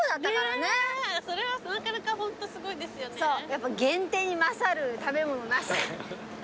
やっぱ限定に勝る食べ物なし。